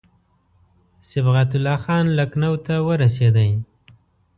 صبغت الله خان لکنهو ته ورسېدی.